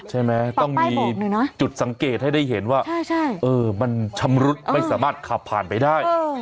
ใช่ไหมต้องมีจุดสังเกตให้ได้เห็นว่ามันชำรุดไม่สามารถขับผ่านไปได้